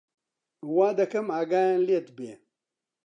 وا دەکەم ئاگایان لێت بێ